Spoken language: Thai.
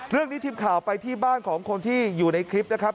เรื่องนี้ทิมข่าวไปที่บ้านของคนที่อยู่ในคลิปนะครับ